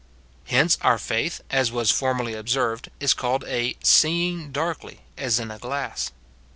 Hence our faith, as was formerly observed, is called a "seeing darkly, as in a glass."